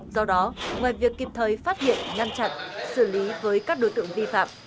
do đó ngoài việc kịp thời phát hiện ngăn chặn xử lý với các đối tượng vi phạm